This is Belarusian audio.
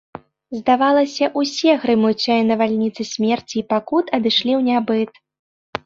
Здавалася, усе грымучыя навальніцы смерці і пакут адышлі ў нябыт.